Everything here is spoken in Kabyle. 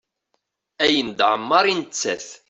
Ayen d-ɛemmer i nettat.